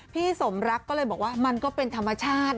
พี่สมรักก็เลยบอกว่ามันก็เป็นธรรมชาติ